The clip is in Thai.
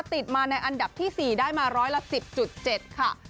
ติดมาในอันดับที่๔ได้มาร้อยละ๑๐๗ค่ะ